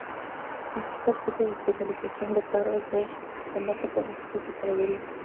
Asiste al curso de especialización de Carros de Combate para Jefes de Caballería.